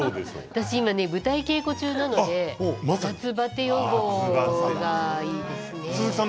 私今、舞台稽古中なので夏バテ予防がいいですね。